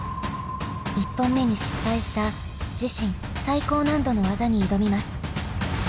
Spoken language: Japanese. １本目に失敗した自身最高難度の技に挑みます。